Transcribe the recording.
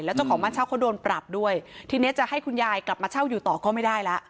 เจ้าของบ้านเช่าเขาโดนปรับด้วยทีนี้จะให้คุณยายกลับมาเช่าอยู่ต่อก็ไม่ได้แล้ว